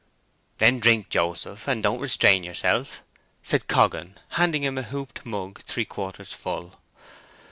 "Then drink, Joseph, and don't restrain yourself!" said Coggan, handing him a hooped mug three quarters full.